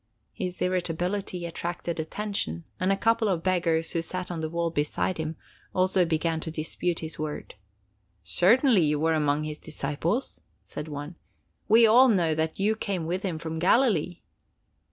His irritability attracted attention, and a couple of beggars who sat on the wall beside him also began to dispute his word. "Certainly you were among his disciples," said one. "We all know that you came with him from Galilee."